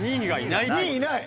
２位いない？